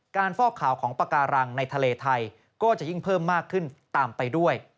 ฟอกข่าวของปากการังในทะเลไทยก็จะยิ่งเพิ่มมากขึ้นตามไปด้วย